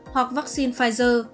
hoặc vaccine pfizer